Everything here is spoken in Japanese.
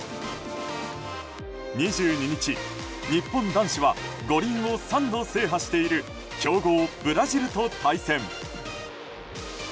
２２日、日本男子は五輪を３度制覇している強豪ブラジルと対戦。